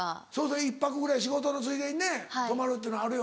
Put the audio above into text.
１泊ぐらい仕事のついでにね泊まるっていうのあるようん。